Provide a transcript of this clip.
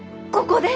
ここで！